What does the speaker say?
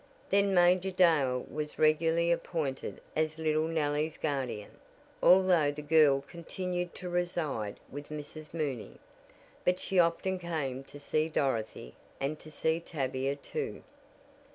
Then Major Dale was regularly appointed as little Nellie's guardian, although the girl continued to reside with Mrs. Mooney. But she often came to see Dorothy, and to see Tavia, too.